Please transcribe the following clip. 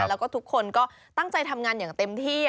แล้วก็ทุกคนก็ตั้งใจทำงานอย่างเต็มที่